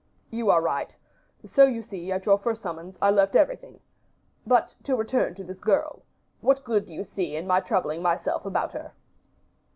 "You are right. So you see, at your first summons, I left everything. But to return to this girl. What good do you see in my troubling myself about her?"